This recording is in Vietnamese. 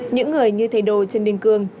những người như thầy đồ trần đình cương